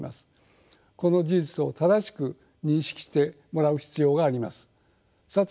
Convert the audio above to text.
この事実を正しく認識してもらう必要があります。